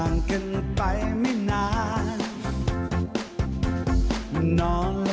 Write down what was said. สวัสดีครับ